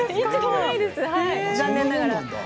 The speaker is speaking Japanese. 残念ながら。